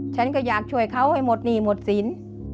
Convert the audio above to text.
ฉันก็อยากช่วยเขาให้หมดหนี้หมดสิน